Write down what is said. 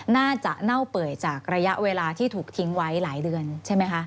น่าจะเน่าเปื่อยจากระยะเวลาที่ถูกทิ้งไว้หลายเดือนใช่ไหมคะ